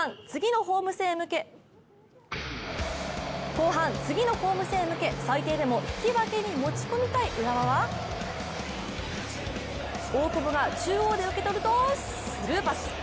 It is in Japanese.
後半、次のホーム戦へ向け、最低でも引き分けに持ち込みたい浦和は大久保が中央で受け取るとスルーパス！